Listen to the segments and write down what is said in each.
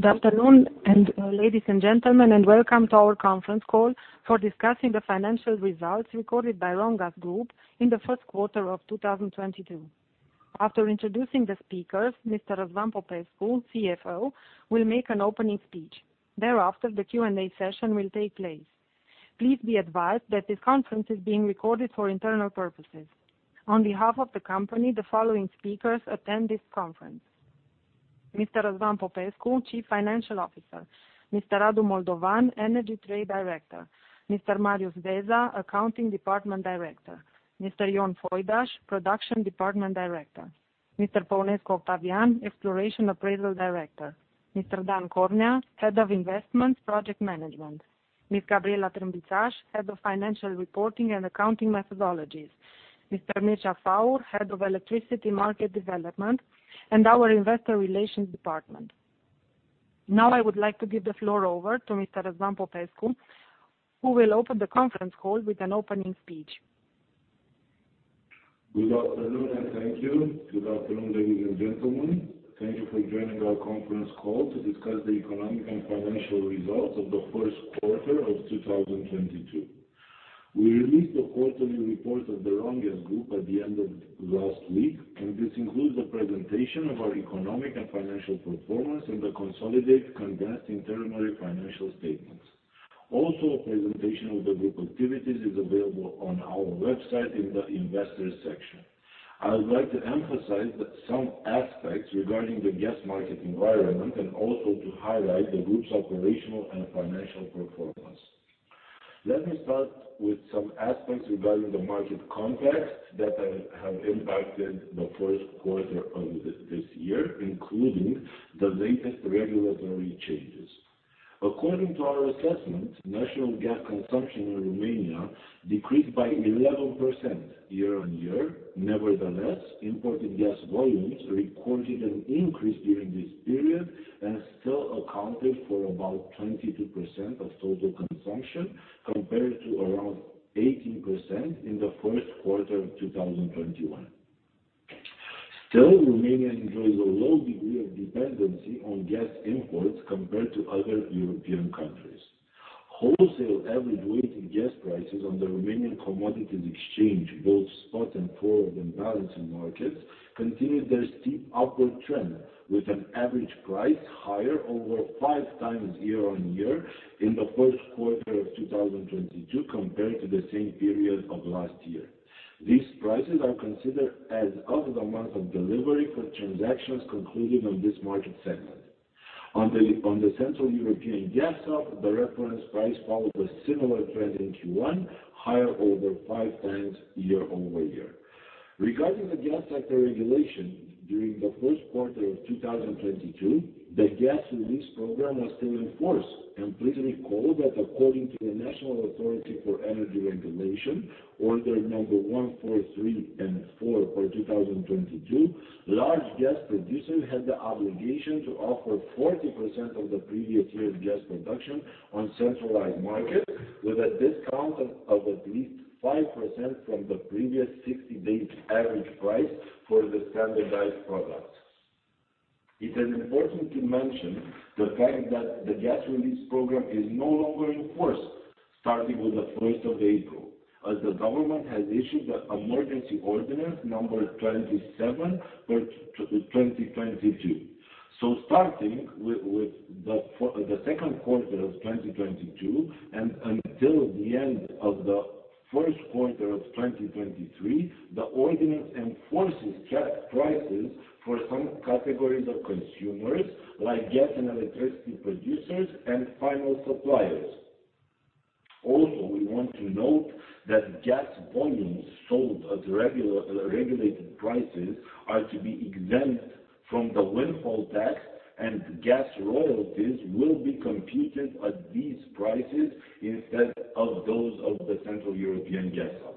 Good afternoon and, ladies and gentlemen, and welcome to our conference call for discussing the financial results recorded by Romgaz Group in the first quarter of 2022. After introducing the speakers, Mr. Răzvan Popescu, CFO, will make an opening speech. Thereafter, the Q&A session will take place. Please be advised that this conference is being recorded for internal purposes. On behalf of the company, the following speakers attend this conference: Mr. Răzvan Popescu, Chief Financial Officer, Mr. Radu Moldovan, Energy Trade Director, Mr. Marius Veza, Accounting Department Director, Mr. Ion Foidaș, Production Department Director, Mr. Păunescu Octavian, Exploration Appraisal Director, Mr. Dan Cornea, Head of Investment Project Management, Ms. Gabriela Trâmbițaș, Head of Financial Reporting and Accounting Methodologies, Mr. Mircea Faur, Head of Electricity Market Development, and our Investor Relations Department. Now, I would like to give the floor over to Mr. Răzvan Popescu, who will open the conference call with an opening speech. Good afternoon, and thank you. Good afternoon, ladies and gentlemen. Thank you for joining our conference call to discuss the economic and financial results of the first quarter of 2022. We released the quarterly report of the Romgaz Group at the end of last week, and this includes the presentation of our economic and financial performance and the consolidated, condensed interim financial statements. Also, a presentation of the group activities is available on our website in the Investors section. I would like to emphasize some aspects regarding the gas market environment and also to highlight the group's operational and financial performance. Let me start with some aspects regarding the market context that have impacted the first quarter of this year, including the latest regulatory changes. According to our assessment, national gas consumption in Romania decreased by 11% year-over-year. Nevertheless, imported gas volumes recorded an increase during this period and still accounted for about 22% of total consumption, compared to around 18% in the first quarter of 2021. Still, Romania enjoys a low degree of dependency on gas imports compared to other European countries. Wholesale average weighted gas prices on the Romanian Commodities Exchange, both spot and forward and balancing markets, continued their steep upward trend, with an average price higher over five times year-on-year in the first quarter of 2022 compared to the same period of last year. These prices are considered as of the month of delivery for transactions concluded on this market segment. On the Central European Gas Hub, the reference price followed a similar trend in Q1, higher over five times year-over-year. Regarding the gas sector regulation, during the first quarter of 2022, the gas release program was still in force. Please recall that according to the Romanian Energy Regulatory Authority, Order no. 143/4 for 2022, large gas producers had the obligation to offer 40% of the previous year's gas production on centralized market, with a discount of at least 5% from the previous 60 days' average price for the standardized products. It is important to mention the fact that the gas release program is no longer in force starting with the first of April, as the government has issued an emergency ordinance number 27 for 2022. Starting with the second quarter of 2022, and until the end of the first quarter of 2023, the ordinance enforces capped prices for some categories of consumers, like gas and electricity producers and final suppliers. We want to note that gas volumes sold at regular, regulated prices are to be exempt from the windfall tax, and gas royalties will be computed at these prices instead of those of the Central European Gas Hub.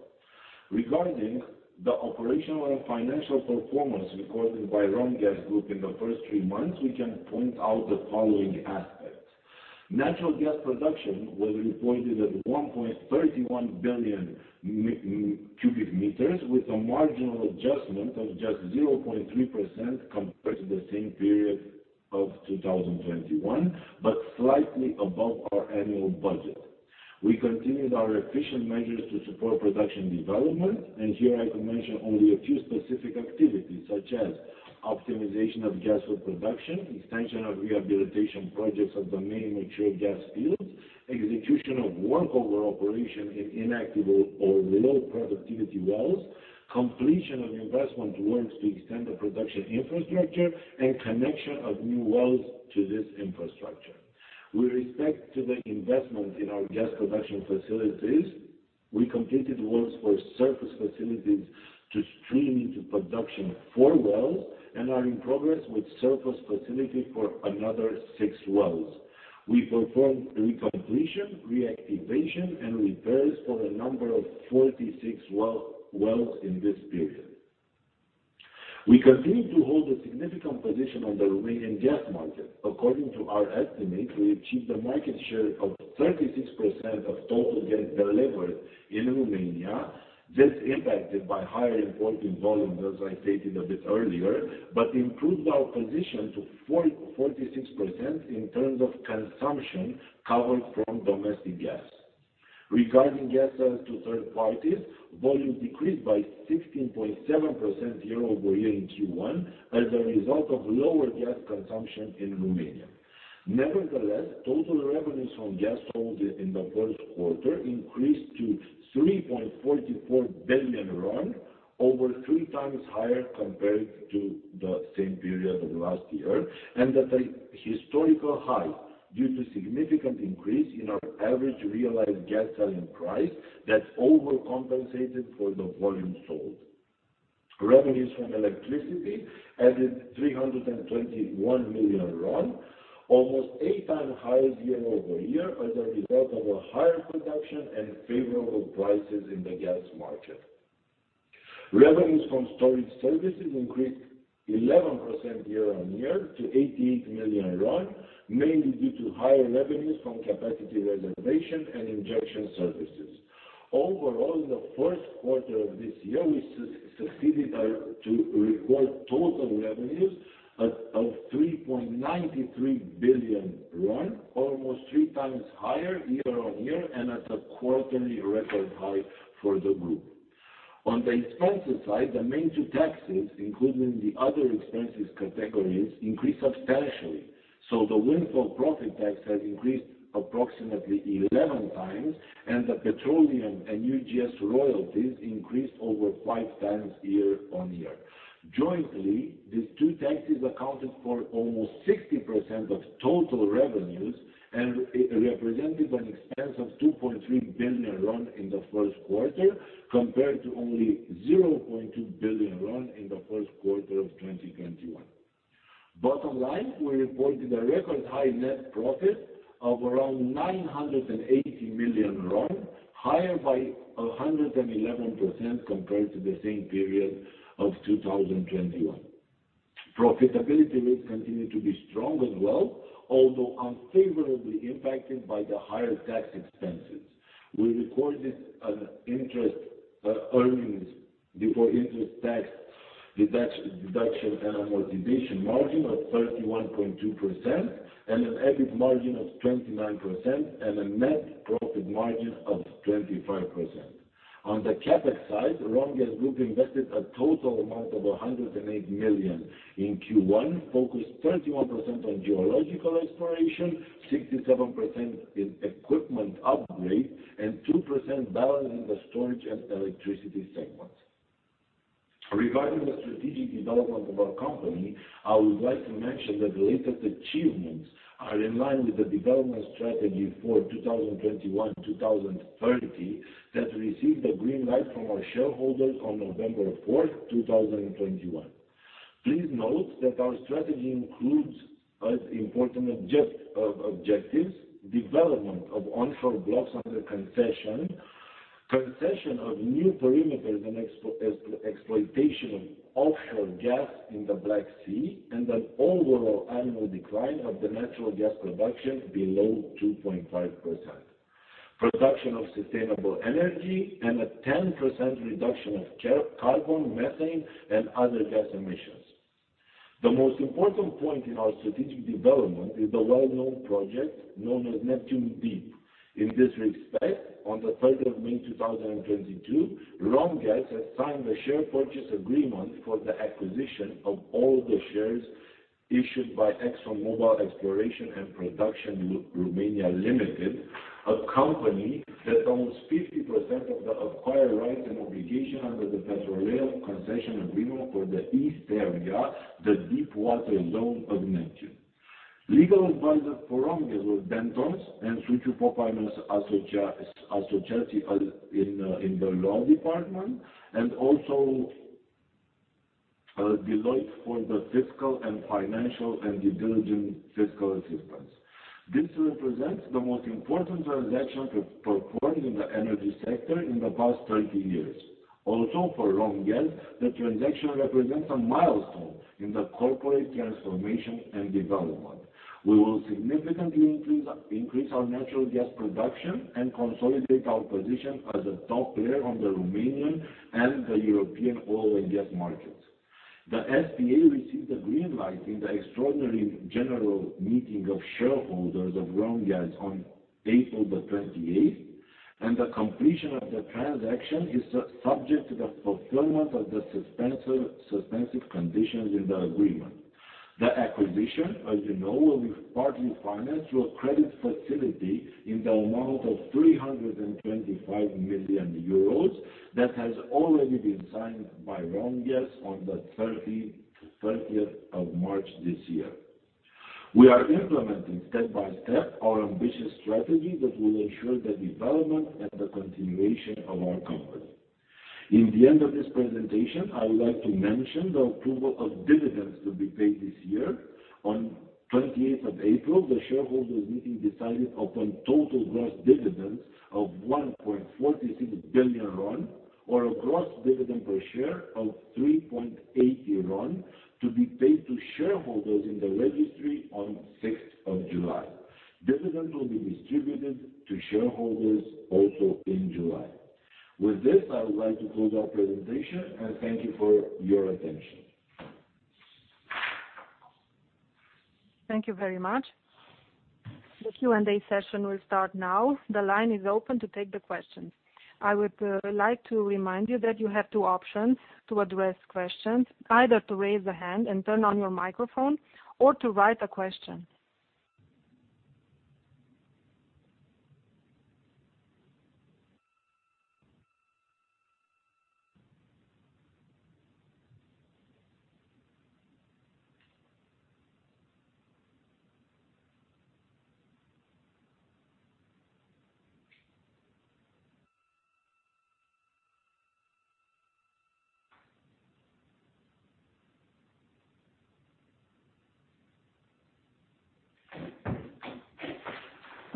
Regarding the operational and financial performance recorded by Romgaz Group in the first three months, we can point out the following aspects. Natural gas production was reported at 1.31 bcm, with a marginal adjustment of just 0.3% compared to the same period of 2021, but slightly above our annual budget. We continued our efficient measures to support production development, and here I could mention only a few specific activities such as optimization of gas well production, extension of rehabilitation projects of the main mature gas fields, execution of workover operation in inactive or low productivity wells, completion of investment works to extend the production infrastructure, and connection of new wells to this infrastructure. With respect to the investment in our gas production facilities, we completed works for surface facilities to stream into production four wells and are in progress with surface facilities for another six wells. We performed recompletion, reactivation, and repairs for a number of 46 wells in this period. We continue to hold a significant position on the Romanian gas market. According to our estimates, we achieved a market share of 36% of total gas delivered in Romania, this impacted by higher imported volumes, as I stated a bit earlier, but improved our position to 40.46% in terms of consumption covered from domestic gas. Regarding gas sales to third parties, volume decreased by 16.7% year-over-year in Q1 as a result of lower gas consumption in Romania. Nevertheless, total revenues from gas sold in the first quarter increased to RON 3.44 billion, over three times higher compared to the same period of last year, and at a historical high due to significant increase in our average realized gas selling price that overcompensated for the volume sold. Revenues from electricity added RON 321 million, almost eight times higher year-over-year as a result of a higher production and favorable prices in the gas market. Revenues from storage services increased 11% year-over-year to RON 88 million, mainly due to higher revenues from capacity reservation and injection services. Overall, in the first quarter of this year, we succeeded to record total revenues of RON 3.93 billion, almost three times higher year-over-year and at a quarterly record high for the group. On the expenses side, the main two taxes, including the other expenses categories, increased substantially. The windfall profit tax has increased approximately 11 times, and the petroleum and UGS royalties increased over five times year-over-year. Jointly, these two taxes accounted for almost 60% of total revenues and represented an expense of RON 2.3 billion in the first quarter, compared to only RON 0.2 billion in the first quarter of 2021. Bottom line, we reported a record high net profit of around RON 980 million, higher by 111% compared to the same period of 2021. Profitability rates continued to be strong as well, although unfavorably impacted by the higher tax expenses. We recorded an EBITDA margin of 31.2% and an EBIT margin of 29% and a net profit margin of 25%. On the CapEx side, Romgaz Group invested a total amount of RON 108 million in Q1, focused 31% on geological exploration, 67% in equipment upgrade, and 2% balanced in the storage and electricity segments. Regarding the strategic development of our company, I would like to mention that the latest achievements are in line with the development strategy for 2021-2023 that received the green light from our shareholders on November 4, 2021. Please note that our strategy includes as important objectives development of onshore blocks under concession of new perimeters and exploitation of offshore gas in the Black Sea, and an overall annual decline of the natural gas production below 2.5%. Production of sustainable energy and a 10% reduction of carbon, methane, and other gas emissions. The most important point in our strategic development is the well-known project known as Neptun Deep. In this respect, on the 3rd of May 2022, Romgaz has signed a share purchase agreement for the acquisition of all the shares issued by ExxonMobil Exploration and Production Romania Limited, a company that owns 50% of the acquired rights and obligation under the petroleum concession agreement for the east area, the deep water zone of Neptun. Legal advisor for Romgaz was Dentons and Suciu Popa in the law department, and also Deloitte for the fiscal and financial and the due diligence assistance. This represents the most important transaction to perform in the energy sector in the past 30 years. For Romgaz, the project represents a milestone in the corporate transformation and development. We will significantly increase our natural gas production and consolidate our position as a top player on the Romanian and the European oil and gas markets. The SPA received the green light in the extraordinary general meeting of shareholders of Romgaz on April 28, and the completion of the transaction is subject to the fulfillment of the suspensive conditions in the agreement. The acquisition, as you know, will be partly financed through a credit facility in the amount of 325 million euros that has already been signed by Romgaz on the 30th of March this year. We are implementing step by step our ambitious strategy that will ensure the development and the continuation of our company. In the end of this presentation, I would like to mention the approval of dividends to be paid this year. On 28th of April, the shareholders meeting decided upon total gross dividends of RON 1.46 billion, or a gross dividend per share of RON 3.80 to be paid to shareholders in the registry on 6th of July. Dividend will be distributed to shareholders also in July. With this, I would like to close our presentation, and thank you for your attention. Thank you very much. The Q&A session will start now. The line is open to take the questions. I would like to remind you that you have two options to address questions, either to raise the hand and turn on your microphone or to write a question.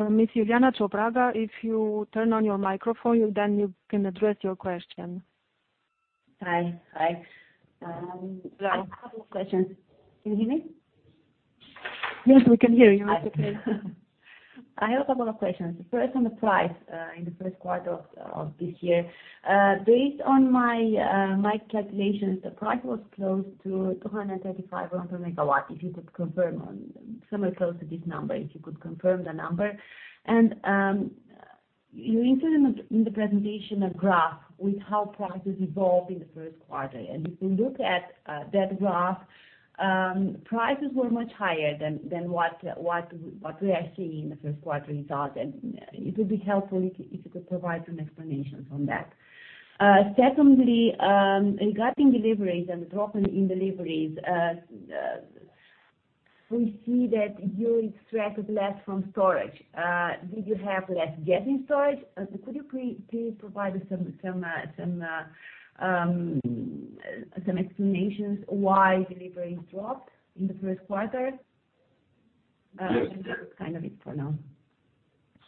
Miss Iuliana Ciopraga, if you turn on your microphone, you'll then you can address your question. Hi. Hi. I have a couple of questions. Can you hear me? Yes, we can hear you. Okay. I have a couple of questions. First, on the price, in the first quarter of this year. Based on my calculations, the price was close to RON 235 per megawatt, if you could confirm. Somewhere close to this number, if you could confirm the number. You included in the presentation a graph with how prices evolved in the first quarter. If you look at that graph, prices were much higher than what we are seeing in the first quarter results. It would be helpful if you could provide some explanations on that. Secondly, regarding deliveries and drop in deliveries, we see that you extracted less from storage. Did you have less gas in storage? Could you please provide us some explanations why deliveries dropped in the first quarter? Yes. That is kind of it for now.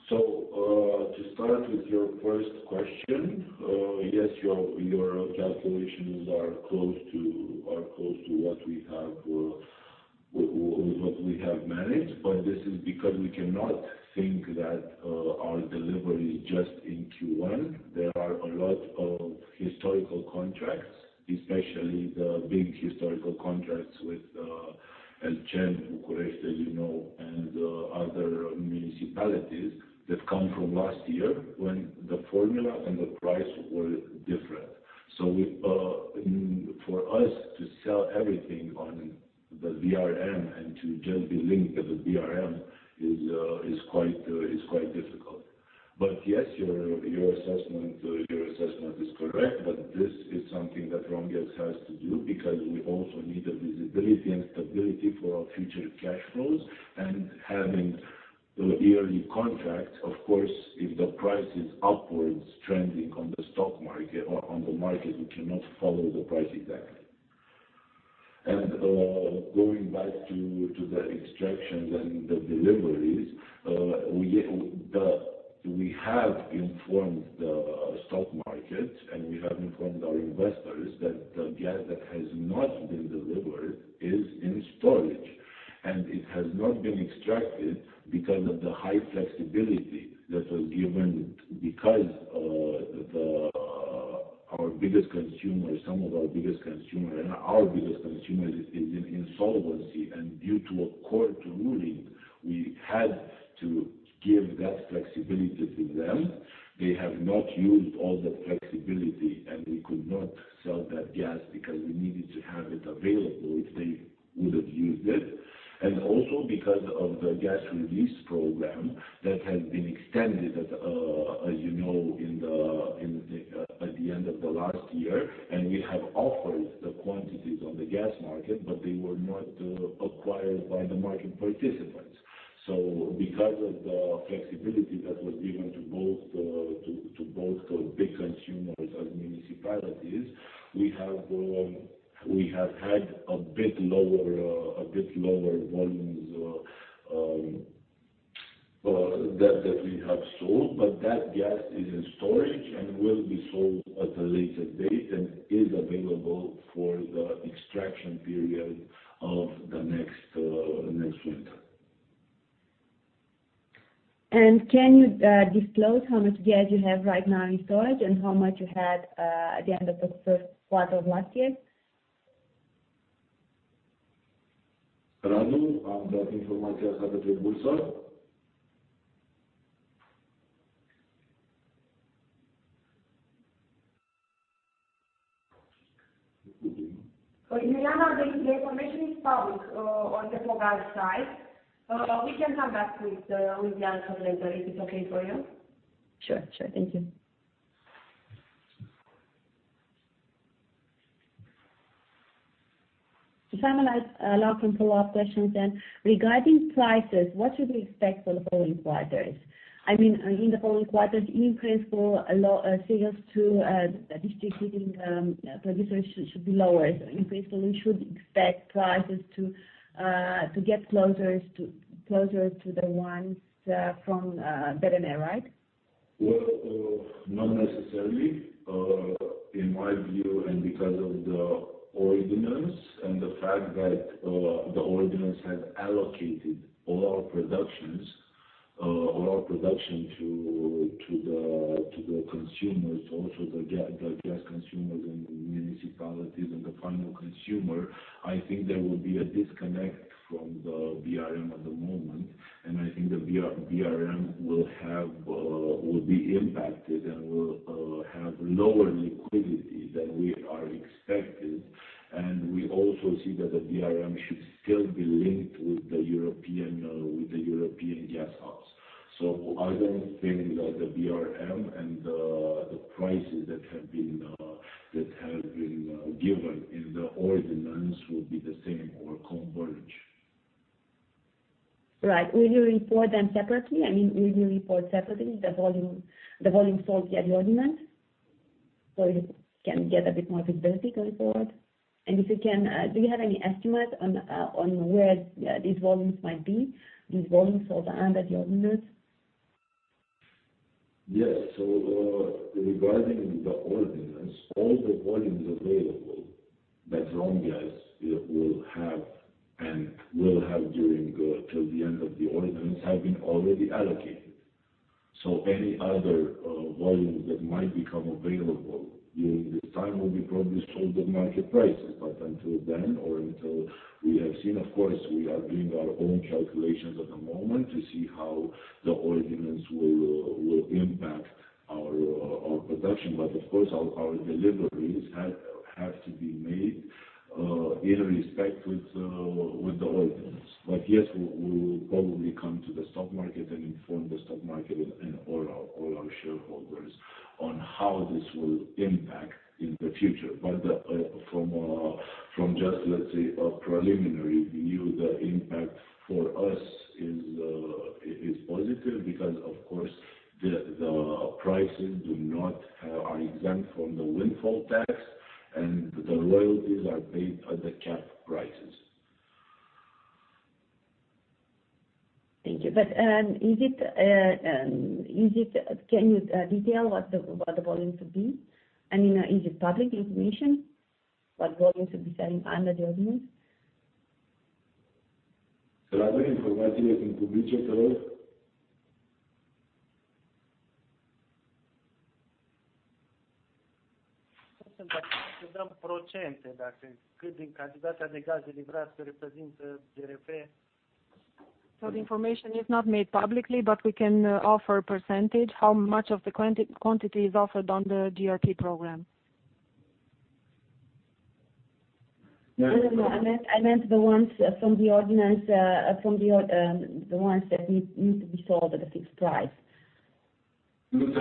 To start with your first question, yes, your calculations are close to what we have managed, but this is because we cannot think that our delivery is just in Q1. There are a lot of historical contracts, especially the big historical contracts with ELCEN București, as you know, and other municipalities that come from last year when the formula and the price were different. For us to sell everything on the BRM and to just be linked at the BRM is quite difficult. Yes, your assessment is correct, but this is something that Romgaz has to do because we also need the visibility and stability for our future cash flows. Having the yearly contract, of course, if the price is upwards trending on the stock market or on the market, we cannot follow the price exactly. Going back to the extractions and the deliveries, we have informed the stock markets, and we have informed our investors that the gas that has not been delivered is in storage, and it has not been extracted because of the high flexibility that was given because our biggest consumer is in insolvency. Due to a court ruling, we had to give that flexibility to them. They have not used all the flexibility, and we could not sell that gas because we needed to have it available if they would have used it, and also because of the gas release program that had been extended, as you know, at the end of the last year. We have offered the quantities on the gas market, but they were not acquired by the market participants. Because of the flexibility that was given to both the big consumers and municipalities, we have had a bit lower volumes that we have sold. That gas is in storage and will be sold at a later date and is available for the extraction period of the next winter. Can you disclose how much gas you have right now in storage and how much you had at the end of the first quarter of last year? Radu, am dat informația asta către bursă. Iuliana, the information is public on the Transgaz site. We can come back with the answer later, if it's okay for you. Sure. Thank you. To finalize, last and follow-up questions then. Regarding prices, what should we expect for the following quarters? I mean, in the following quarters, increase for a lot of sales to the district heating producers should be lower. Increasingly should expect prices to get closer to the ones from BRM, right? Well, not necessarily. In my view and because of the ordinance and the fact that the ordinance has allocated all our production to the consumers, the gas consumers and the municipalities and the final consumer, I think there will be a disconnect from the BRM at the moment, and I think the BRM will be impacted and will have lower liquidity than we are expected. We also see that the BRM should still be linked with the European gas hubs. I don't think that the BRM and the prices that have been given in the ordinance will be the same or converge. Right. Will you report them separately? I mean, will you report separately the volume sold under the ordinance? You can get a bit more visibility to the board. If you can, do you have any estimate on where these volumes sold under the ordinance might be? Yes. Regarding the ordinance, all the volumes available that Romgaz will have and will have during till the end of the ordinance have been already allocated. Any other volumes that might become available during this time will be probably sold at market prices. Until then or until we have seen, of course, we are doing our own calculations at the moment to see how the ordinance will impact our production. Of course, our deliveries have to be made in respect with with the ordinance. Yes, we will probably come to the stock market and inform the stock market and all our shareholders on how this will impact in the future. From just let's say a preliminary view, the impact for us is positive because of course, the prices are exempt from the windfall tax and the royalties are paid at the cap prices. Thank you. Can you detail what the volumes would be? I mean, is it public information what volumes will be selling under the ordinance? The information is not made publicly, but we can offer a percentage how much of the quantity is offered on the GRP program. No. I meant the ones from the ordinance, the ones that need to be sold at a fixed price. It's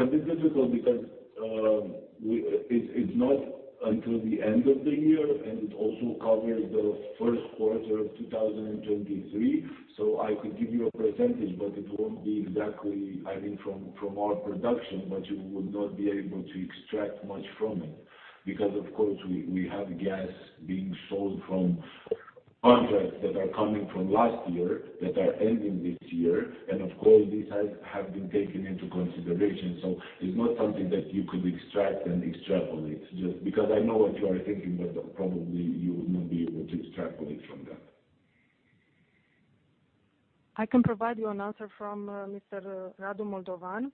a bit difficult because it's not until the end of the year, and it also covers the first quarter of 2023. I could give you a percentage, but it won't be exactly. I think from our production, but you would not be able to extract much from it. Because of course, we have gas being sold from contracts that are coming from last year, that are ending this year. Of course, these have been taken into consideration. It's not something that you could extract and extrapolate, just because I know what you are thinking, but probably you would not be able to extrapolate from that. I can provide you an answer from Mr. Radu Moldovan.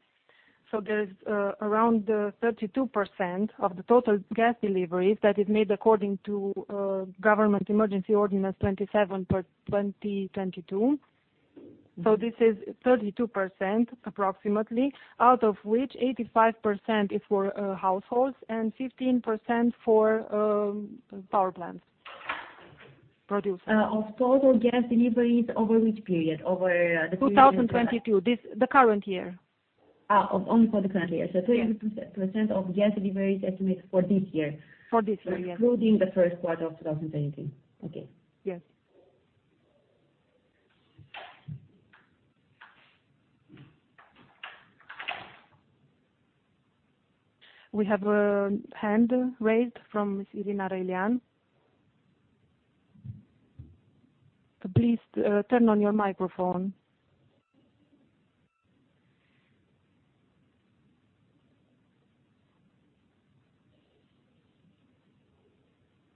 There is around 32% of the total gas deliveries that is made according to Government Emergency Ordinance 27/2022. This is 32%, approximately, out of which 85% is for households and 15% for power plants produced. Of total gas deliveries over which period? Over the period. 2022. The current year. Only for the current year. Yes. 30% of gas deliveries estimated for this year. For this year, yes. Including the first quarter of 2022. Okay. Yes. We have a hand raised from Ms. Irina Răilean. Please, turn on your microphone.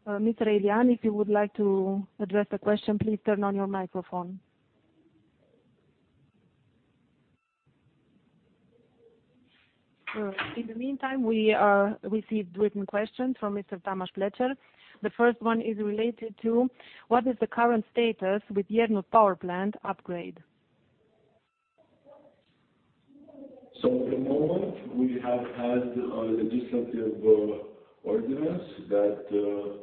Ms. Irina Răilean, if you would like to address the question, please turn on your microphone. In the meantime, we received written questions from Mr. Tamás Pletser. The first one is related to what is the current status with Iernut Power Plant upgrade? At the moment, we have had a legislative ordinance that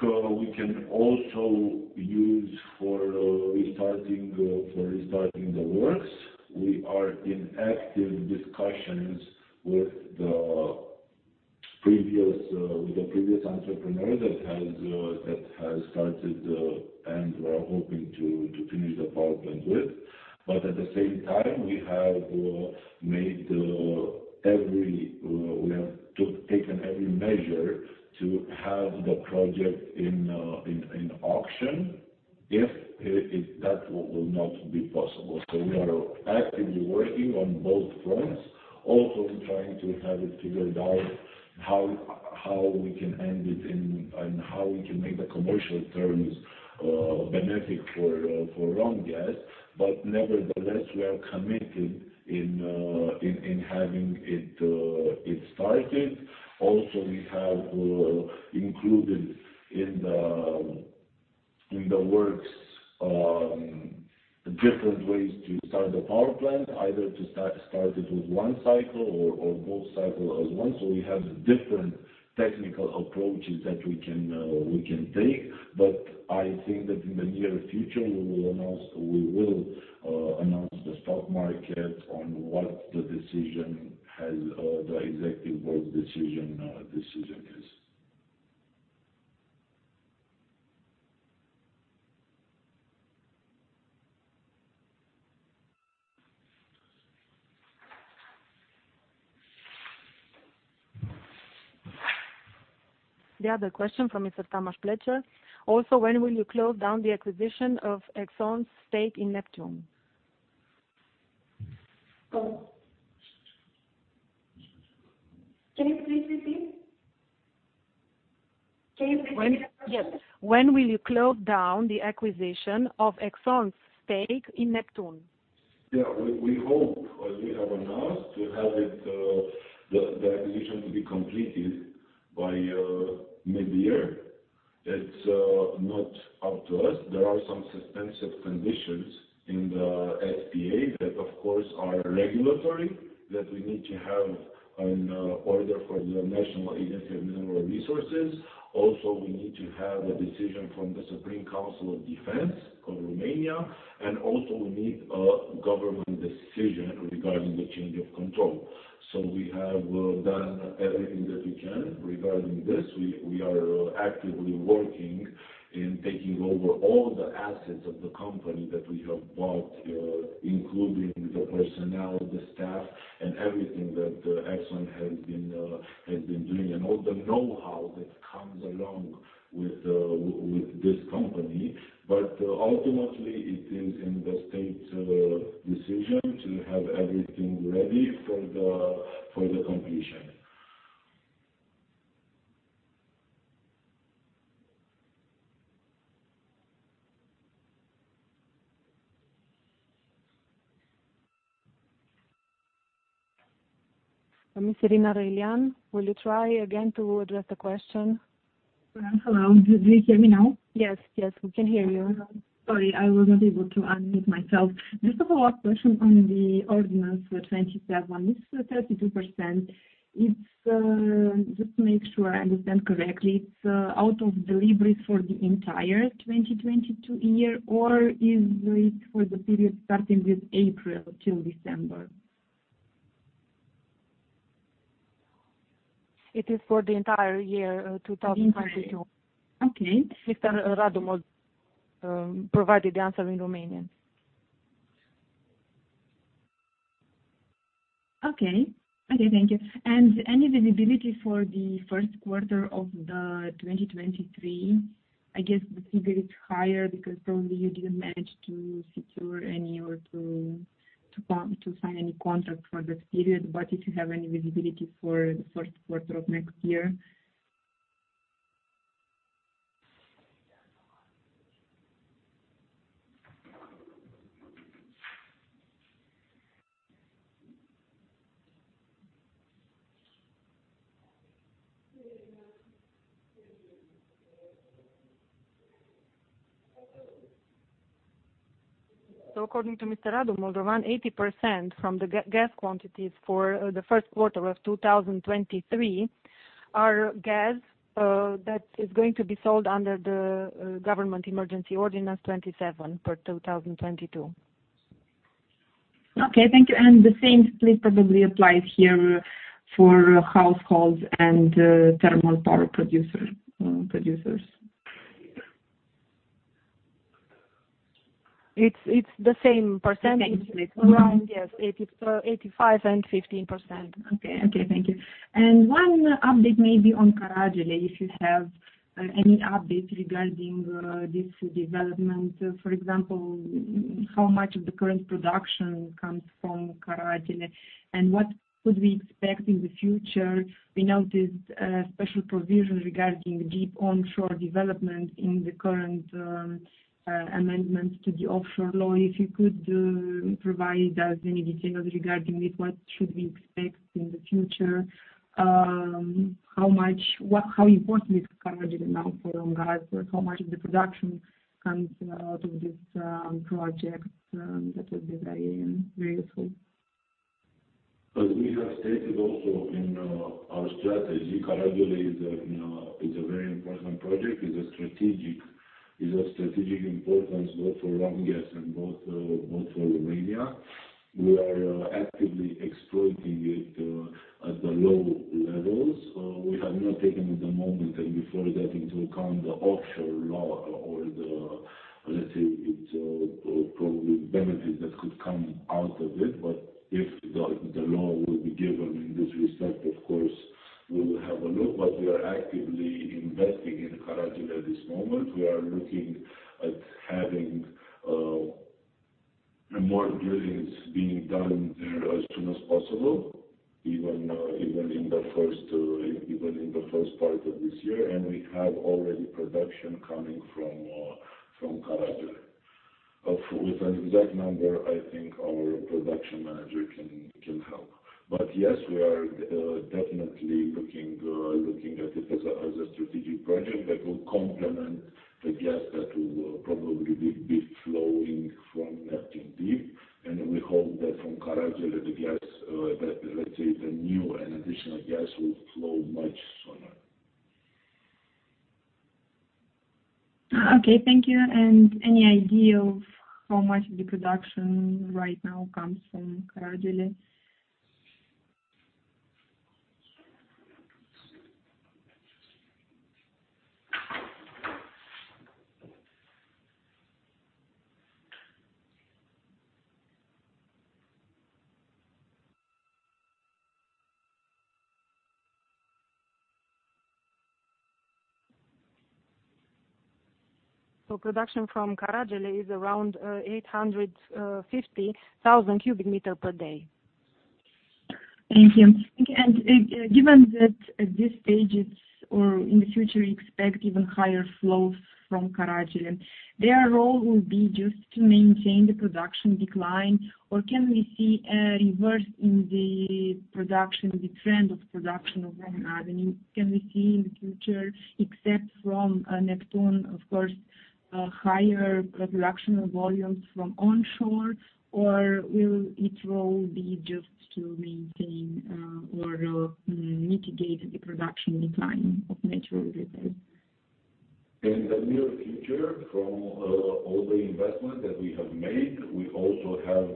so we can also use for restarting the works. We are in active discussions with the previous entrepreneur that has started, and we're hoping to finish the power plant with. At the same time, we have taken every measure to have the project in auction if it will not be possible. We are actively working on both fronts, also trying to have it figured out how we can end it and how we can make the commercial terms benefit for Romgaz. Nevertheless, we are committed in having it started. We have included in the works different ways to start the power plant, either to start it with one cycle or both cycle as one. We have different technical approaches that we can take. I think that in the near future, we will announce to the stock market what the executive board decision is. The other question from Mr. Tamás Pletser. Also, when will you close the acquisition of ExxonMobil's stake in Neptun? Can you please repeat the question? When will you close down the acquisition of Exxon's stake in Neptun? We hope, as we have announced, to have the acquisition completed by mid-year. It's not up to us. There are some suspensive conditions in the SPA that of course are regulatory, that we need to have an order for the National Agency for Mineral Resources. Also, we need to have a decision from the Supreme Council of National Defence of Romania, and also we need a government decision regarding the change of control. We have done everything that we can regarding this. We are actively working in taking over all the assets of the company that we have bought, including the personnel, the staff, and everything that Exxon has been doing, and all the know-how that comes along with this company. Ultimately, it is in the state decision to have everything ready for the completion. Miss Irina Răilean, will you try again to address the question? Yeah. Hello. Do you hear me now? Yes, yes. We can hear you. Sorry, I was not able to unmute myself. Just a follow-up question on the Ordinance 27. This 32%, it's just to make sure I understand correctly, it's out of deliveries for the entire 2022 year, or is it for the period starting with April till December? It is for the entire year, 2022. The entire year. Okay. Mr. Radu Moldovan provided the answer in Romanian. Okay, thank you. Any visibility for the first quarter of 2023? I guess the figure is higher because probably you didn't manage to secure any or to sign any contract for this period. If you have any visibility for the first quarter of next year. According to Mr. Radu Moldovan, 80% from the gas quantities for the first quarter of 2023 are gas that is going to be sold under the Government Emergency Ordinance 27/2022. Okay, thank you. The same split probably applies here for households and thermal power producers. It's the same percentage split. Okay. Around, yes, 85 and 15%. Okay. Thank you. One update maybe on Caragele, if you have any update regarding this development. For example, how much of the current production comes from Caragele, and what could we expect in the future? We noticed special provisions regarding deep onshore development in the current amendments to the Offshore Law. If you could provide us any details regarding this, what should we expect in the future? How important is Caragele now for Romgaz? How much of the production comes out of this project? That would be very, very useful. As we have stated also in our strategy, Caragele is a very important project. It's of strategic importance both for Romgaz and for Romania. We are actively exploiting it at the low levels. We have not taken at the moment and before that into account the Offshore Law or the, let's say, probable benefit that could come out of it. But if the law will be given in this respect, of course. We'll have a look, but we are actively investing in Caragele at this moment. We are looking at having more drillings being done there as soon as possible, even in the first part of this year. We have already production coming from Caragele. I don't have an exact number, I think our production manager can help. Yes, we are definitely looking at it as a strategic project that will complement the gas that will probably be flowing from Neptun Deep. We hope that from Caragele, the gas, let's say, the new and additional gas will flow much sooner. Okay. Thank you. Any idea of how much the production right now comes from Caragele? Production from Caragele is around 850,000 m³ per day. Thank you. Given that at this stage or in the future, you expect even higher flows from Caragele, their role will be just to maintain the production decline? Or can we see a reverse in the production, the trend of production of Romgaz? Can we see in the future, except from Neptun, of course, higher production volumes from onshore, or will its role be just to maintain or mitigate the production decline of natural gas? In the near future from all the investment that we have made, we also have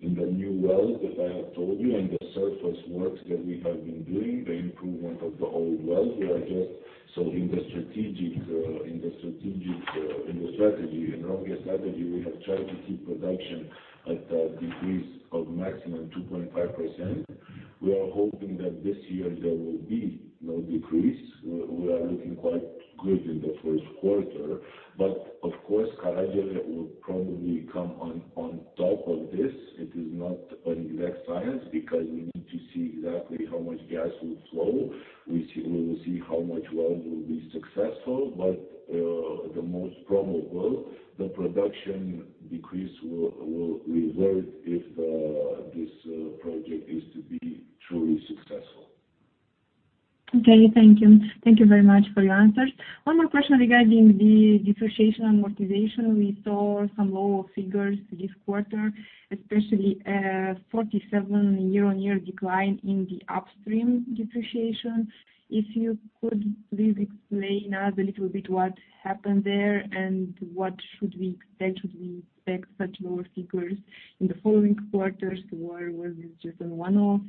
in the new wells that I have told you, and the surface works that we have been doing, the improvement of the old wells, we are just in the strategy in Romgaz strategy, we have tried to keep production at a decrease of maximum 2.5%. We are hoping that this year there will be no decrease. We are looking quite good in the first quarter, but of course Caragele will probably come on top of this. It is not an exact science because we need to see exactly how much gas will flow. We will see how many wells will be successful, but the most probable, the production decrease will revert if this project is to be truly successful. Okay. Thank you. Thank you very much for your answers. One more question regarding the depreciation and amortization. We saw some lower figures this quarter, especially, 47 year-on-year decline in the upstream depreciation. If you could please explain us a little bit what happened there and what should we expect. Should we expect such lower figures in the following quarters, or was this just a one-off? Gabriela Trâmbițaș, sure.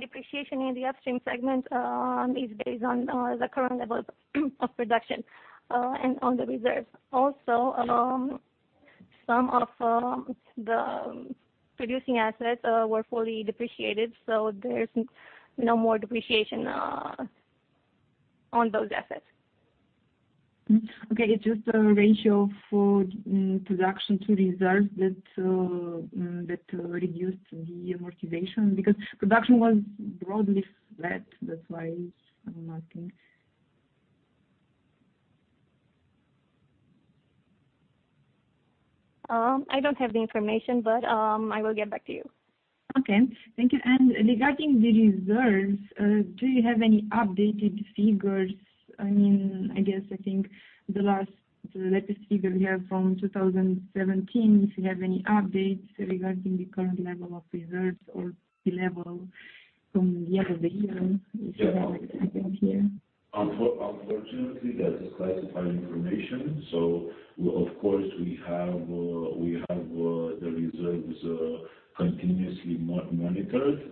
Depreciation in the upstream segment is based on the current level of production and on the reserve. Also, some of the producing assets were fully depreciated, so there's no more depreciation on those assets. Okay. It's just a ratio for production to reserves that reduced the amortization because production was broadly flat. That's why I'm asking. I don't have the information, but I will get back to you. Okay, thank you. Regarding the reserves, do you have any updated figures? I mean, I guess I think the latest figure we have from 2017. If you have any updates regarding the current level of reserves or the level from the end of the year, if you have it, I think here. Unfortunately, that's classified information. We of course have the reserves continuously monitored.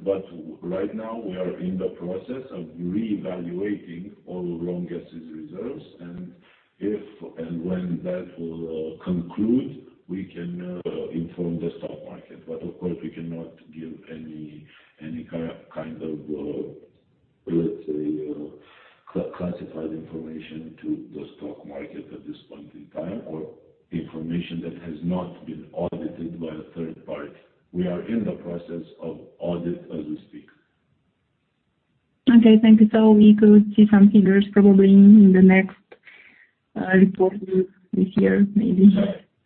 Right now we are in the process of reevaluating all Romgaz's reserves and if and when that will conclude, we can inform the stock market. Of course, we cannot give any kind of, let's say, classified information to the stock market at this point in time, or information that has not been audited by a third party. We are in the process of auditing as we speak. Okay, thank you. We could see some figures probably in the next report this year, maybe.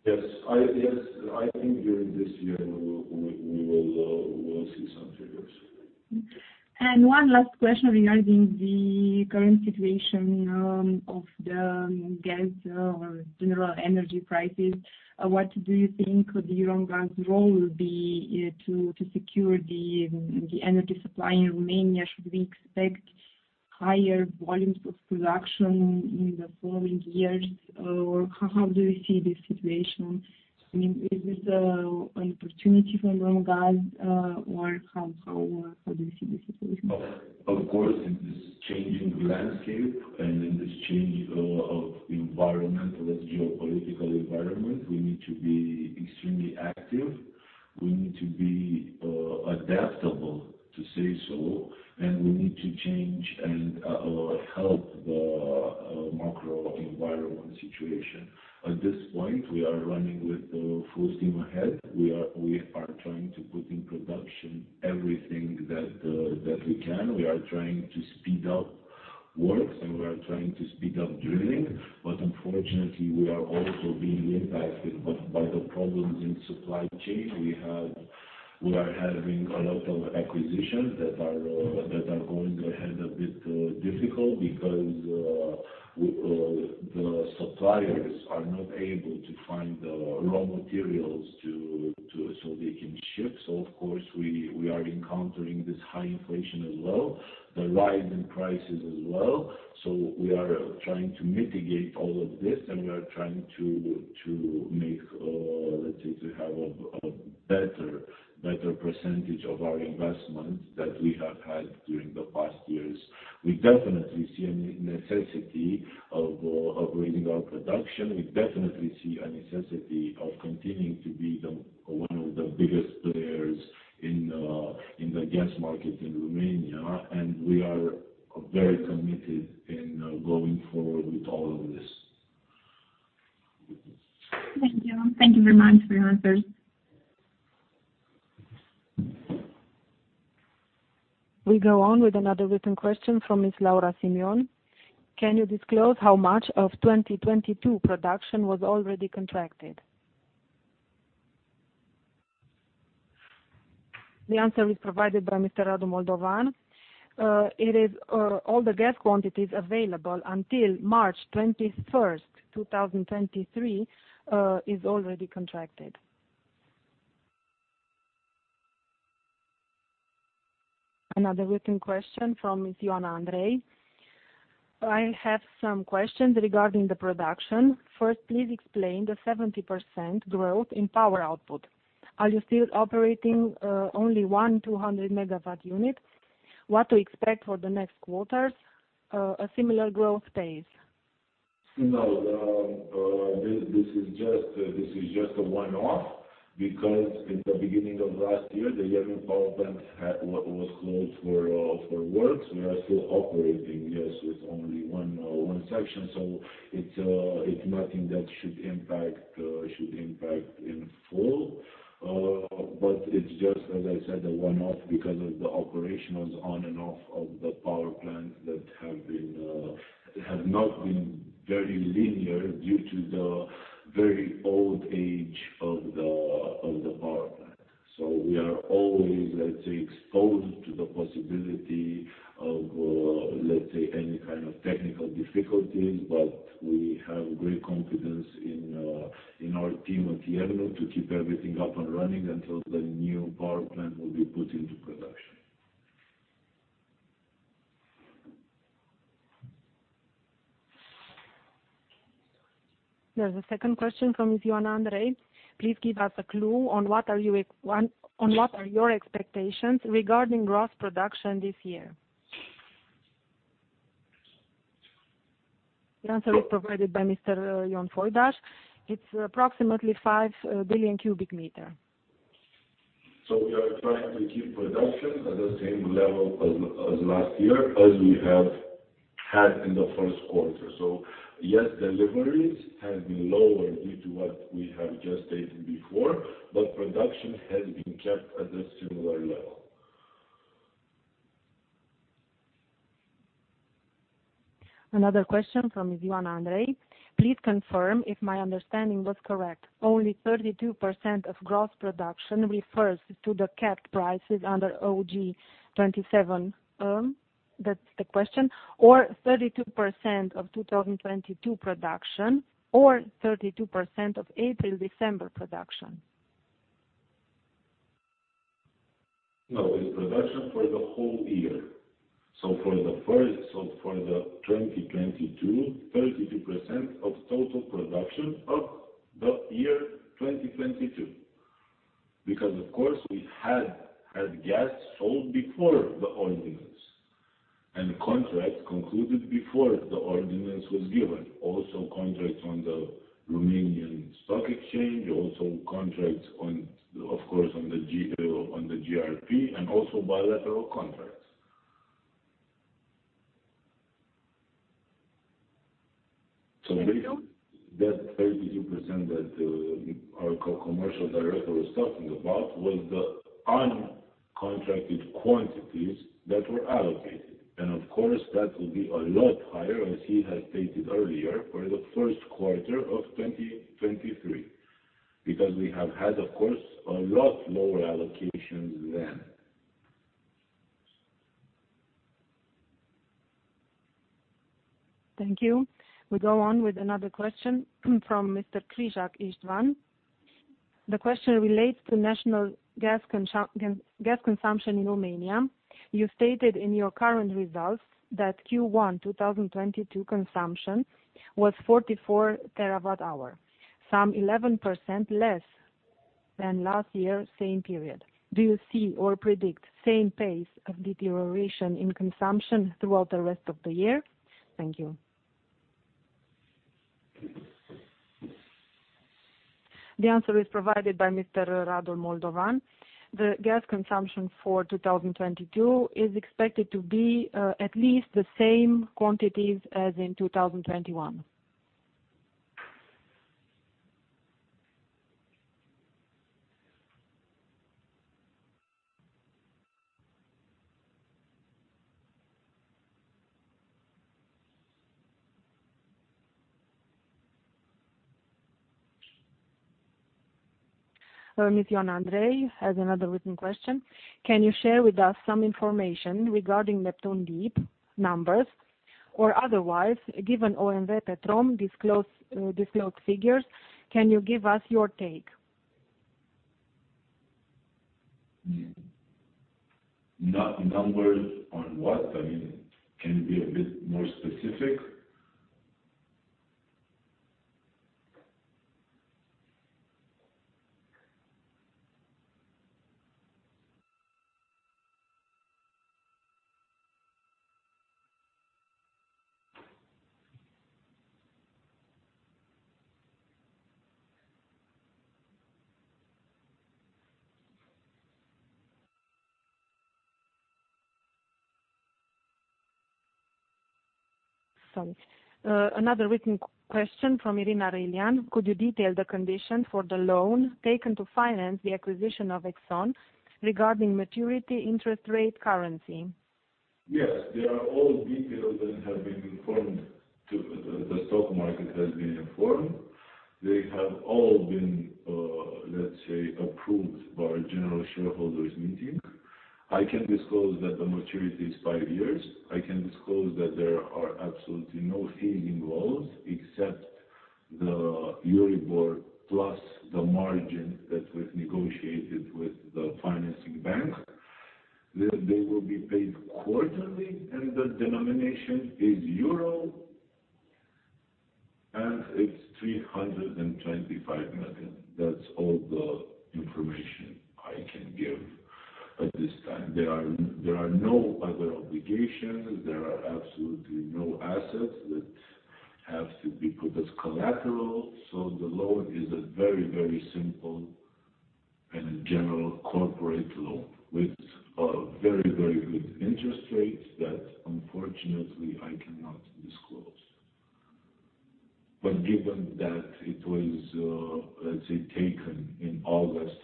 Yes, I think during this year we will see some figures. One last question regarding the current situation of the gas or general energy prices. What do you think could be Romgaz role will be to secure the energy supply in Romania? Should we expect higher volumes of production in the following years, or how do you see this situation? I mean, is this an opportunity for Romgaz, or how do you see the situation? Of course, in this changing landscape and in this change of environment, let's say, political environment, we need to be extremely active. We need to be adaptable, to say so, and we need to change and help the macro environment situation. At this point, we are running with the full steam ahead. We are trying to put in production everything that we can. We are trying to speed up works, and we are trying to speed up drilling. Unfortunately, we are also being impacted by the problems in supply chain. We are having a lot of acquisitions that are going ahead a bit difficult because the suppliers are not able to find the raw materials so they can ship. Of course, we are encountering this high inflation as well, the rise in prices as well. We are trying to mitigate all of this, and we are trying to make, let's say, to have a better percentage of our investment that we have had during the past years. We definitely see a necessity of upgrading our production. We definitely see a necessity of continuing to be the one of the biggest players in the gas market in Romania, and we are very committed in going forward with all of this. Thank you. Thank you very much for your answers. We go on with another written question from Ms. Laura Simion. Can you disclose how much of 2022 production was already contracted? The answer is provided by Mr. Radu Moldovan. It is all the gas quantities available until March 21st, 2023, is already contracted. Another written question from Ms. Ioana Andrei. I have some questions regarding the production. First, please explain the 70% growth in power output. Are you still operating only one 200-megawatt unit? What to expect for the next quarters? A similar growth pace? No. This is just a one-off because in the beginning of last year, the Iernut power plant was closed for works. We are still operating with only one section. It's nothing that should impact in full. It's just, as I said, a one-off because the operation was on and off of the power plant that have not been very linear due to the very old age of the power plant. We are always, let's say, exposed to the possibility of, let's say, any kind of technical difficulties. We have great confidence in our team at Iernut to keep everything up and running until the new power plant will be put into production. There's a second question from Ms. Ioana Andrei. Please give us a clue on what are your expectations regarding gross production this year. The answer is provided by Mr. Ion Foidaș. It's approximately 5 bcm. We are trying to keep production at the same level as last year as we have had in the first quarter. Yes, deliveries have been lower due to what we have just stated before, but production has been kept at a similar level. Another question from Ms. Ioana Andrei. Please confirm if my understanding was correct. Only 32% of gross production refers to the capped prices under OUG 27, that's the question, or 32% of 2022 production or 32% of April-December production? No, it's production for the whole year. For the 2022, 32% of total production of the year 2022. Because of course we had had gas sold before the ordinance, and contracts concluded before the ordinance was given. Also contracts on the Romanian stock exchange, also contracts on, of course, on the GRP and also bilateral contracts. Thank you. That 32% that our co-commercial director was talking about was the uncontracted quantities that were allocated. Of course, that will be a lot higher, as he has stated earlier, for the first quarter of 2023. Because we have had, of course, a lot lower allocations then. Thank you. We go on with another question from Mr. Krizsák István. The question relates to national gas consumption in Romania. You stated in your current results that Q1 2022 consumption was 44 TWh, some 11% less than last year, same period. Do you see or predict same pace of deterioration in consumption throughout the rest of the year? Thank you. The answer is provided by Mr. Radu Moldovan. The gas consumption for 2022 is expected to be at least the same quantities as in 2021. Miss Ioana Andrei has another written question. Can you share with us some information regarding Neptun Deep numbers or otherwise, given OMV Petrom disclosed figures, can you give us your take? New numbers on what? I mean, can you be a bit more specific? Sorry. Another written question from Irina Răilean. Could you detail the condition for the loan taken to finance the acquisition of Exxon regarding maturity, interest rate, currency? Yes, they are all detailed and have been informed to the stock market. The stock market has been informed. They have all been, let's say, approved by general shareholders meeting. I can disclose that the maturity is fiv years. I can disclose that there are absolutely no fees involved except the Euribor plus the margin that we've negotiated with the financing bank. They will be paid quarterly, and the denomination is euro. It's 325 million. That's all the information I can give at this time. There are no other obligations. There are absolutely no assets that have to be put as collateral. The loan is a very, very simple and general corporate loan with a very, very good interest rate that unfortunately I cannot disclose. Given that it was, let's say, taken in August,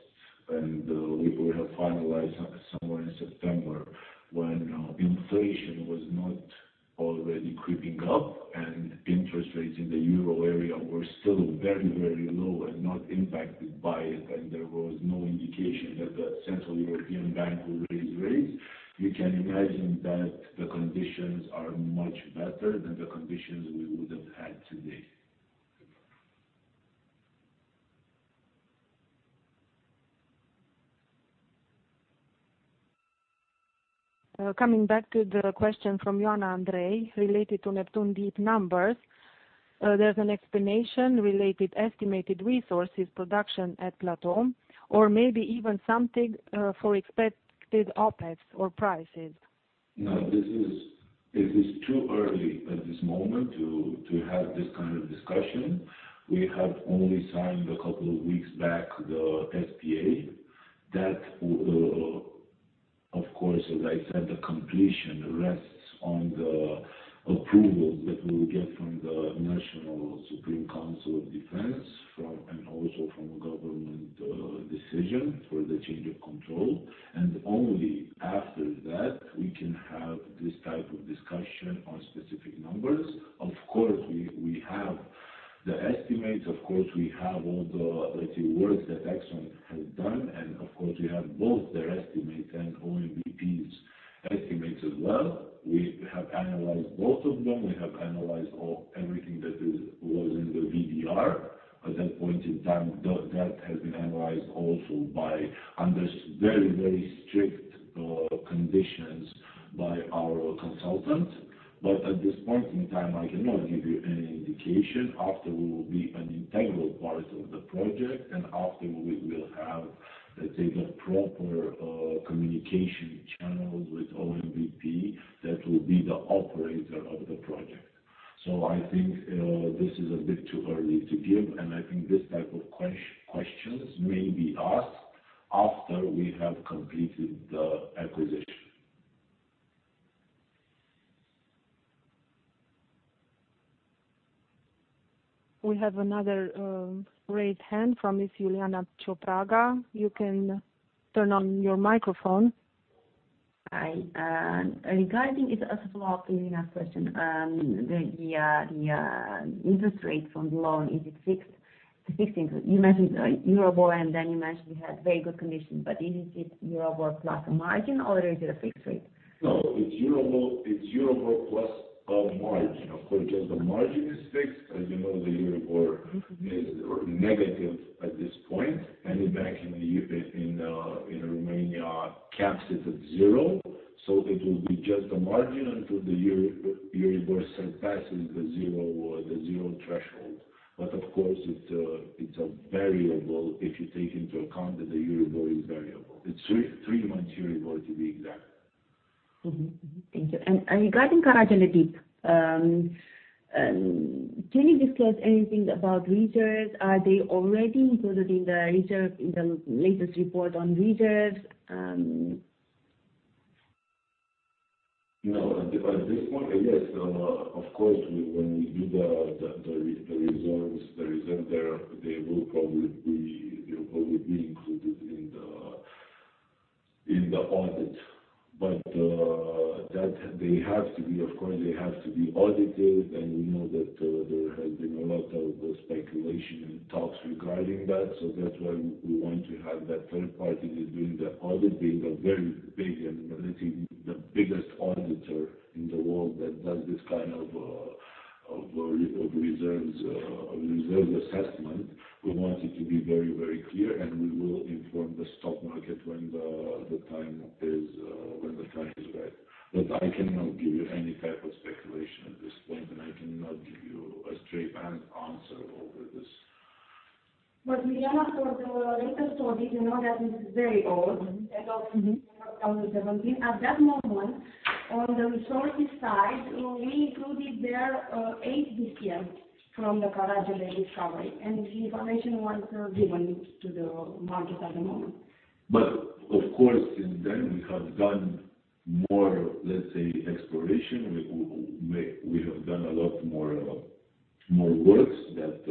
and we would have finalized somewhere in September when inflation was not already creeping up and interest rates in the euro area were still very, very low and not impacted by it, and there was no indication that the European Central Bank will raise rates. You can imagine that the conditions are much better than the conditions we would have had today. Coming back to the question from Ioana Andrei related to Neptun Deep numbers, there's an explanation related estimated resources production at plateau or maybe even something for expected OpEx or prices. No, it is too early at this moment to have this kind of discussion. We have only signed a couple of weeks back the SPA. That will. Of course, as I said, the completion rests on the approval that we'll get from the Supreme Council of National Defence and also from government decision for the change of control. Only after that, we can have this type of discussion on specific numbers. Of course, we have the estimates. Of course, we have all the, let's say, work that Exxon has done. Of course, we have both their estimates and OMV's estimates as well. We have analyzed both of them. We have analyzed everything that was in the VDR. At that point in time, that has been analyzed also, under very strict conditions, by our consultant. At this point in time, I cannot give you any indication. After we will be an integral part of the project, and after we will have, let's say, the proper, communication channels with ONBP, that will be the operator of the project. I think this is a bit too early to give, and I think this type of questions may be asked after we have completed the acquisition. We have another raised hand from Miss Iuliana Ciopraga. You can turn on your microphone. Hi. Regarding it as a follow-up to Irina's question, the interest rate from the loan, is it fixed or floating? You mentioned Euribor, and then you mentioned you had very good conditions, but is it Euribor plus a margin, or is it a fixed rate? No, it's Euribor, it's Euribor plus a margin. Of course, just the margin is fixed. As you know, the Euribor is negative at this point. Any bank in Romania caps it at zero. It will be just the margin until the Euribor surpasses the zero threshold. Of course, it's a variable if you take into account that the Euribor is variable. It's three-month Euribor, to be exact. Mm-hmm. Mm-hmm. Thank you. Regarding Caragele Deep, can you discuss anything about reserves? Are they already included in the reserve in the latest report on reserves? No. At this point, yes. Of course, when we do the reserves there, they will probably be included in the audit. They have to be audited, of course. We know that there has been a lot of speculation and talks regarding that. That's why we want to have that third party that doing the audit, being a very big and let's say the biggest auditor in the world that does this kind of reserves assessment. We want it to be very clear, and we will inform the stock market when the time is right. I cannot give you any type of speculation at this point, and I cannot give you a straight-up answer over this. Iuliana, for the latest audit, you know that it's very old. Mm-hmm. End of 2017. At that moment, on the resources side, we included there 8 BCF from the Caragele Deep discovery, and the information was given to the market at that moment. Of course, and then we have done more, let's say, exploration. We have done a lot more works that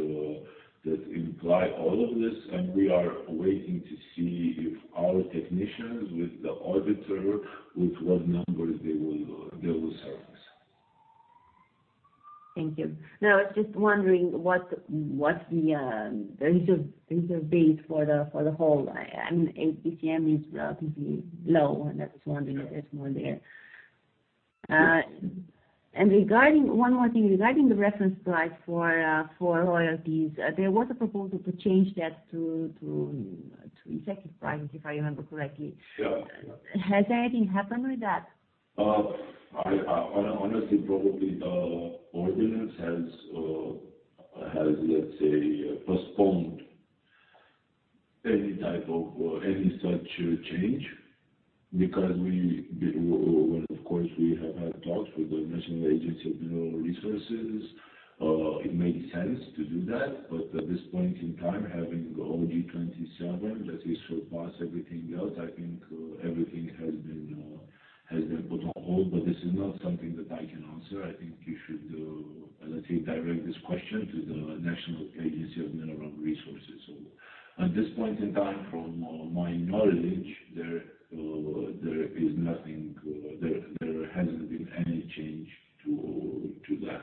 imply all of this. We are waiting to see if our technicians with the auditor, with what numbers they will serve us. Thank you. Now, I was just wondering what the reserve base for the whole. I mean, 8 BCF is relatively low, and I was wondering if there's more there. Regarding one more thing. Regarding the reference price for royalties, there was a proposal to change that to executive price, if I remember correctly. Sure. Has anything happened with that? I honestly, probably the ordinance has, let's say, postponed any type of any such change. When of course, we have had talks with the National Agency for Mineral Resources, it makes sense to do that. At this point in time, having OUG 27, let's say, surpass everything else, I think, everything has been put on hold. This is not something that I can answer. I think you should, let's say, direct this question to the National Agency for Mineral Resources. At this point in time, from my knowledge, there is nothing, there hasn't been any change to that.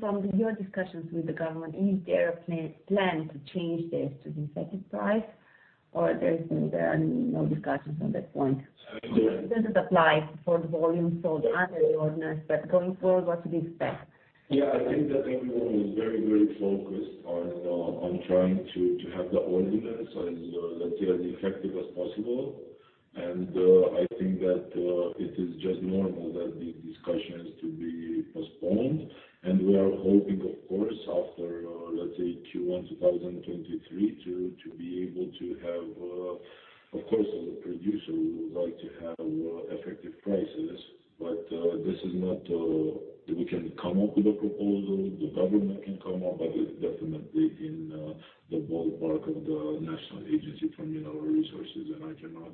From your discussions with the government, is there a plan to change this to the executive price? Or there are no discussions on that point? I think that. This doesn't apply for the volumes for the other ordinance, but going forward, what to be expected? Yeah. I think that everyone is very, very focused on trying to have the ordinance as, let's say, as effective as possible. I think that it is just normal that the discussion is to be postponed. We are hoping, of course, after, let's say Q1 2023 to be able to have. Of course, as a producer, we would like to have effective prices. But this is not. We can come up with a proposal, the government can come up, but it's definitely in the ballpark of the National Agency for Mineral Resources, and I cannot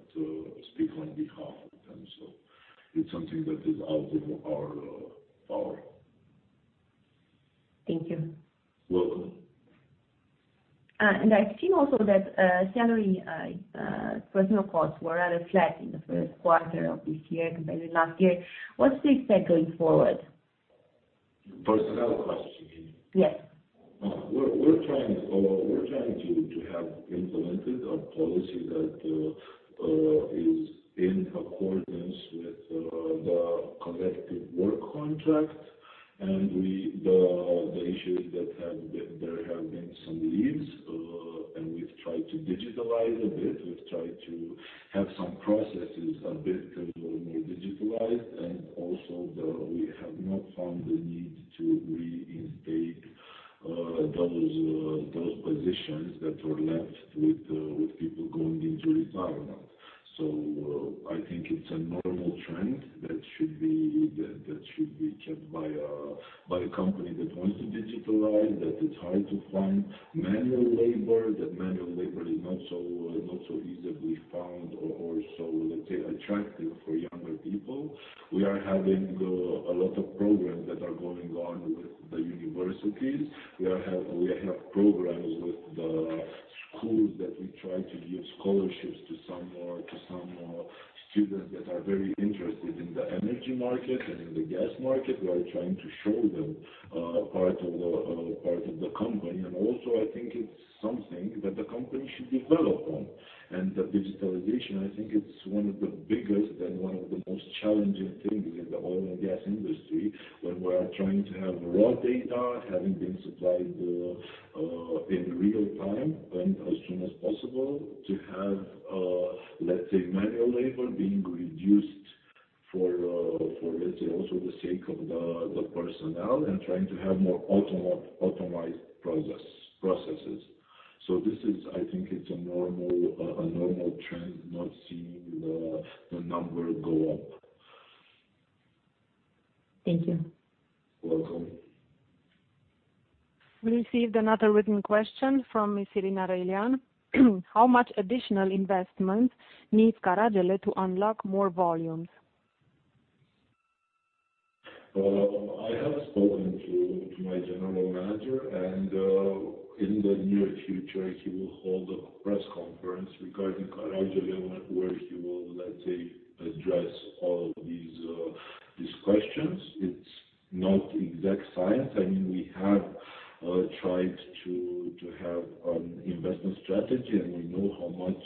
speak on behalf of them. It's something that is out of our power. Thank you. Welcome. I've seen also that salary personnel costs were rather flat in the first quarter of this year compared to last year. What to expect going forward? Personnel costs, you mean? Yes. We're trying to have implemented a policy that is in accordance with the collective work contract. The issue is that there have been some leaves, and we've tried to digitalize a bit. We've tried to have some processes a bit more digitalized. We have not found I have spoken to my general manager, and in the near future, he will hold a press conference regarding Caragele where he will, let's say, address all these questions. It's not exact science. I mean, we have tried to have investment strategy, and we know how much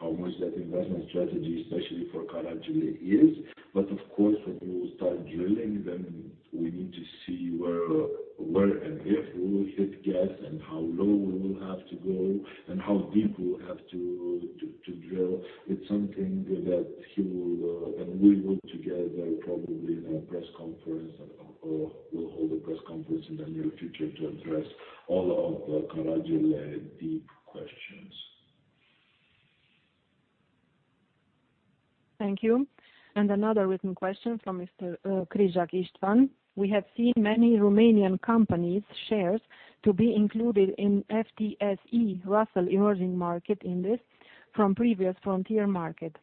that investment strategy, especially for Caragele, is. Of course, when we will start drilling, then we need to see where and if we will hit gas and how low we will have to go and how deep we'll have to drill. It's something that he will and we will together probably in a press conference or will hold a press conference in the near future to address all of the Caragele Deep questions. Thank you. Another written question from Mr. Krizsák István. We have seen many Romanian companies shares to be included in FTSE Russell Emerging Market Index from previous frontier market.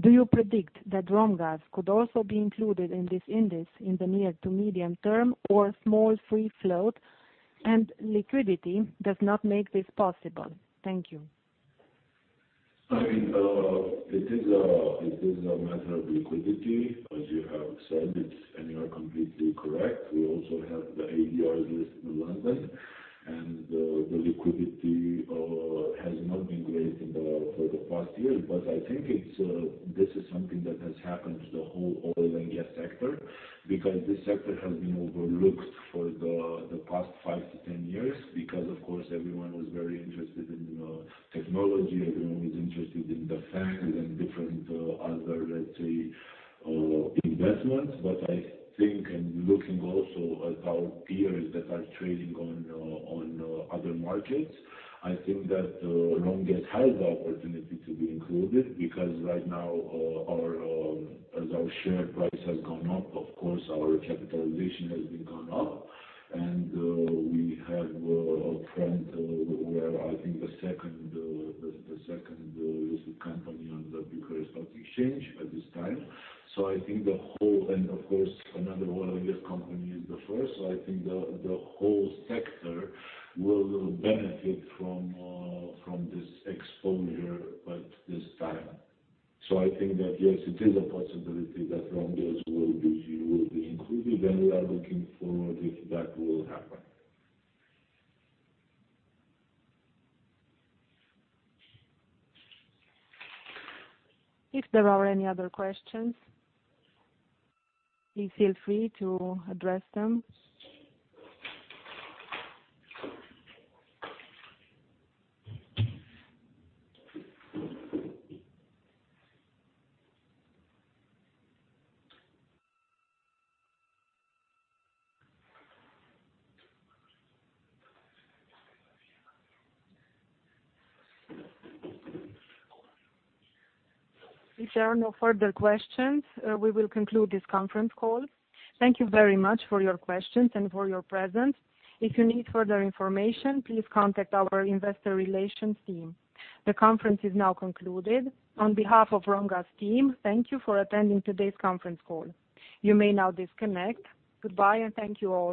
Do you predict that Romgaz could also be included in this index in the near to medium term or small free float, and liquidity does not make this possible? Thank you. I mean, it is a matter of liquidity, as you have said it, and you are completely correct. We also have the ADR listed in London, and the liquidity has not been great for the past years. I think it's this is something that has happened to the whole oil and gas sector because this sector has been overlooked for the past five to 10 years because, of course, everyone was very interested in technology. Everyone was interested in the FANG and different other, let's say, investments. I think and looking also at our peers that are trading on other markets, I think that Romgaz has the opportunity to be included because right now, as our share price has gone up, of course our capitalization has gone up. We currently are the second listed company on the Bucharest Stock Exchange at this time. Of course, another oil and gas company is the first. I think the whole sector will benefit from this exposure at this time. I think that yes, it is a possibility that Romgaz will be included, and we are looking forward if that will happen. If there are any other questions, please feel free to address them. If there are no further questions, we will conclude this conference call. Thank you very much for your questions and for your presence. If you need further information, please contact our investor relations team. The conference is now concluded. On behalf of Romgaz team, thank you for attending today's conference call. You may now disconnect. Goodbye, and thank you all.